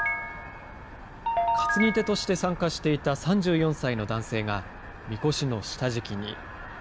担ぎ手として参加していた３４歳の男性がみこしの下敷きに。